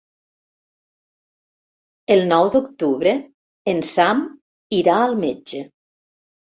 El nou d'octubre en Sam irà al metge.